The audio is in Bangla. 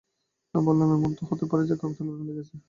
আমি বললাম, এমনো তো হতে পারে যে, কাকতালীয়ভাবে মিলে গেছে।